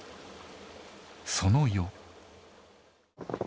その夜。